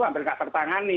hampir nggak tertangani